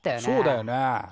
そうだよね。